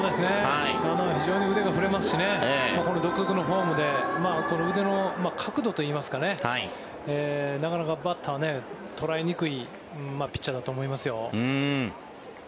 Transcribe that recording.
非常に腕が振れますし独特のフォームで腕の角度といいますかねなかなかバッターは捉えにくいピッチャーだと思いますよ。